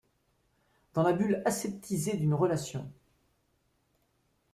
Dans la bulle aseptisée d'une relation.